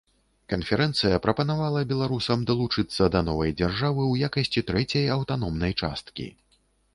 Канферэнцыя прапанавала беларусам далучыцца да новай дзяржавы ў якасці трэцяй аўтаномнай часткі.